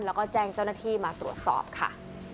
แล้วก็แจ้งเจ้าหน้าที่มาตรวจสอบค่ะ